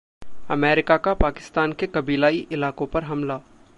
America का पाकिस्तान के कबीलाई इलाकों पर हमला